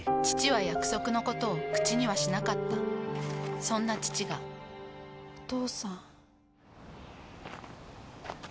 父は約束のことを口にはしなかったそんな父がお父さん。